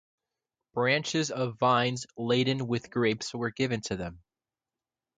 Branches of vines laden with grapes were given to them.